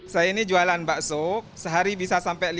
saya ini jualan bakso sehari bisa sampai lima